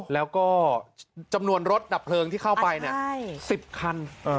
แล้วก็จำนวนรถดับเพลิงที่เข้าไป๑๐คัน